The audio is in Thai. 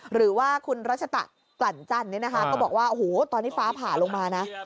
หรือว่าคุณรัชตะกลั่นจันทร์เนี่ยนะคะก็บอกว่าโอ้โหตอนนี้ฟ้าผ่าลงมานะ